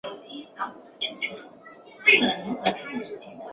该站隶属乌鲁木齐铁路局。